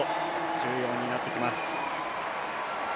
重要になってきます。